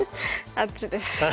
あっちです。